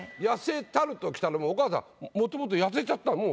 「痩せたる」ときたのもお母さんもともと痩せちゃった